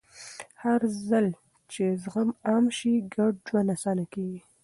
هرځل چې زغم عام شي، ګډ ژوند اسانه کېږي.